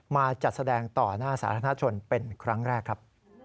มาจัดแสดงต่อหน้าสาธารณชนเป็นครั้งแรกครับ